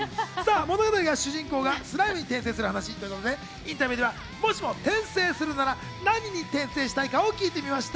物語は主人公がスライムに転生する話ということで、インタビューでは、もしも転生するなら、何に転生したいかを聞いてみました。